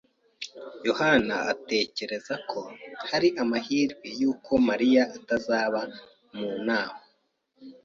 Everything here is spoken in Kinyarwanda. yohani atekereza ko hari amahirwe yuko Mariya atazaba mu nama.